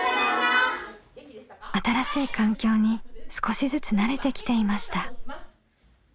新しい環境に少しずつ慣れてきていました。